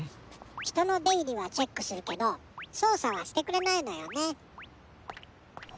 ひとのでいりはチェックするけどそうさはしてくれないのよね。